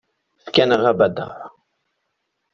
Fkan-aɣ abadaṛ.